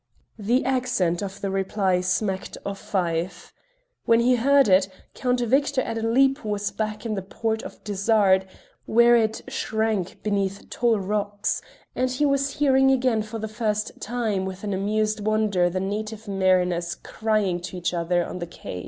The accent of the reply smacked of Fife; when he heard it, Count Victor at a leap was back in the port of Dysart, where it shrank beneath tall rocks, and he was hearing again for the first time with an amused wonder the native mariners crying to each other on the quays.